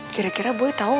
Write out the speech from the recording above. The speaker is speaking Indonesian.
mereka pasti udah janji